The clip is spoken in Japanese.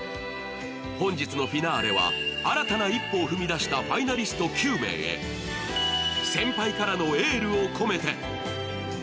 本日のフィナーレは新たな一歩を踏み出したファイナリスト９名へ先輩からのエールを込めて。